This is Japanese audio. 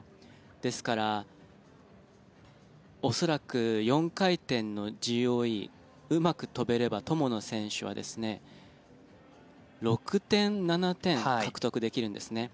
ですから、恐らく４回転のＧＯＥうまく跳べれば友野選手は６点、７点獲得できるんですね。